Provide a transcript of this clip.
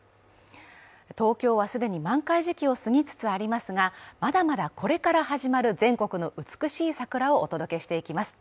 東京は既に満開時期を過ぎつつありますが、まだまだこれから始まる全国の美しい桜をお届けしていきます。